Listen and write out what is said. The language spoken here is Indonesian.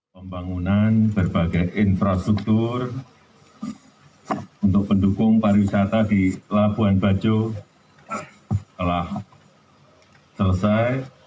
pembangunan berbagai infrastruktur untuk pendukung pariwisata di labuan bajo telah selesai